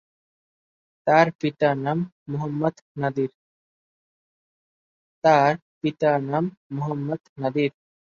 তার পিতা নাম "মোহাম্মদ নাদির"।